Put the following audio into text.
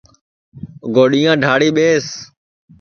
گوڈِؔیاں ڈؔݪی ٻیس